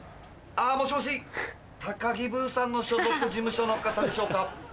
もしもし高木ブーさんの所属事務所の方でしょうか？